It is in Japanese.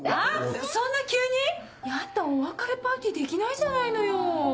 そんな急に⁉ヤダお別れパーティーできないじゃないのよ。